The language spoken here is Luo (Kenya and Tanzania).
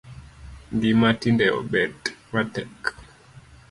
Ngima tinde obet matek